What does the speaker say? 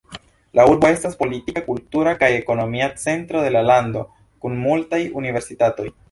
La urbo estas politika, kultura kaj ekonomia centro de la lando kun multaj universitatoj.